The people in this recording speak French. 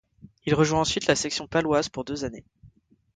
Il rejoint ensuite la Section paloise pour deux années.